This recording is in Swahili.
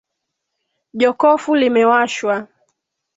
Jokofu limewashwa.